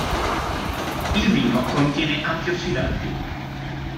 Il vino contiene antiossidanti.